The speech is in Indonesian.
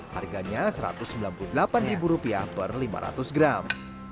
harganya rp satu ratus sembilan puluh delapan per lima ratus gram